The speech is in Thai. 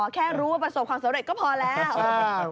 แค่รู้ว่าประสบความสำเร็จก็พอแล้ว